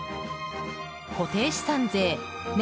固定資産税年